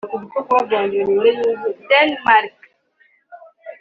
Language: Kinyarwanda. Denmark